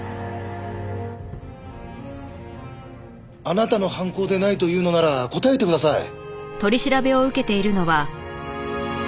あなたの犯行でないというのなら答えてください。